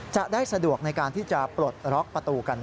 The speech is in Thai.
จะได้สะดวกในการที่จะปลดล็อกประตูกัน